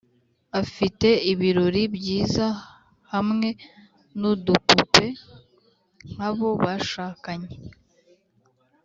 afite ibirori byiza hamwe nudupupe nkabo bashakanye